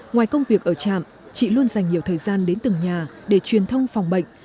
ngoài công việc ở trạm chị luôn dành nhiều thời gian đến từng nhà để truyền thông phòng bệnh